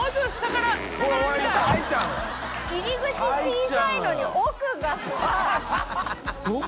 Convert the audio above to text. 入り口小さいのに奥が深い。